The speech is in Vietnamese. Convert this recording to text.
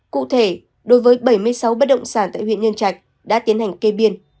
cụ thể đối với bảy mươi sáu bất động sản tại huyện nhân trạch đã tiến hành kê biên